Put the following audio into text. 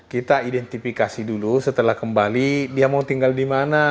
kita identifikasi dulu setelah kembali dia mau tinggal dimana